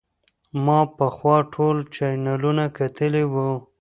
ما پخوا ټول چینلونه کتلي وو.